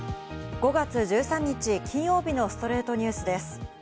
５月１３日、金曜日の『ストレイトニュース』です。